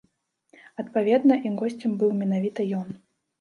Адпаведна, і госцем быў менавіта ён.